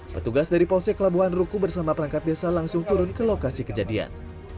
petugas dari polsek labuhan ruku bersama perangkat desa langsung turun ke lokasi kejadian